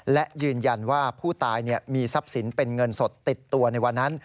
และยืนยันว่าผู้ตายมีทรัพย์สินเป็นเงินสดติดตัวในวันนั้น